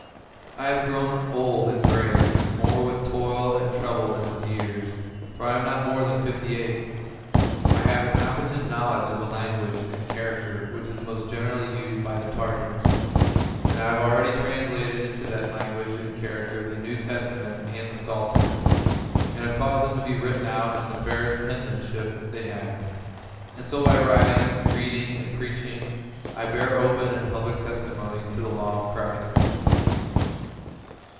I have myself grown old and gray, more with toil and trouble than with years, for I am not more than fifty eight. I have got a competent knowledge of the lan guage and character which is most generally used by the Tartars. And I have already translated into that lan guage and character the New Testament and the Psalter, and have caused them to be written out in the fairest penmanship they have; and so by writing, read ing, and preaching I bear open and public testimony to the Law of Christ.